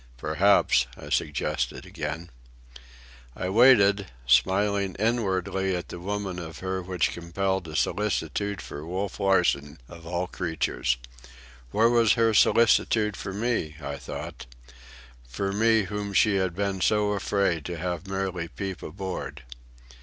"Perhaps," I suggested again. I waited, smiling inwardly at the woman of her which compelled a solicitude for Wolf Larsen, of all creatures. Where was her solicitude for me, I thought,—for me whom she had been afraid to have merely peep aboard?